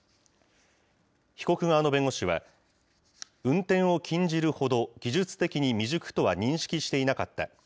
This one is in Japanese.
被告側の弁護士は、運転を禁じるほど、技術的に未熟とは認識していなかった。